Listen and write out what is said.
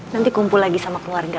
nanti kumpul lagi sama keluarga